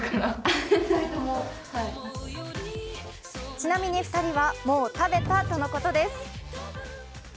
ちなみに２人は、もう食べたとのことです。